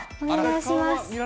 お願いします。